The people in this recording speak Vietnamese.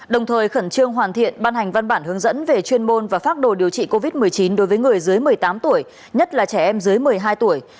đồng thời khẩn trương hoàn thiện ban hành văn bản hướng dẫn về chuyên môn và phác đồ điều trị covid một mươi chín đối với người dưới một mươi tám tuổi nhất là trẻ em dưới một mươi hai tuổi